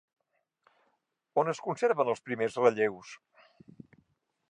On es conserven els primers relleus?